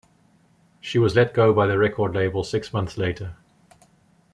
She was let go by the record label six months later.